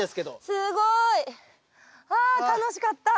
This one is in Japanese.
すごい！あ楽しかった。